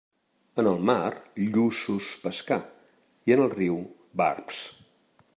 En el mar, lluços pescar; i en el riu, barbs.